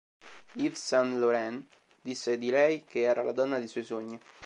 Yves Saint-Laurent disse di lei che era la donna dei suoi sogni.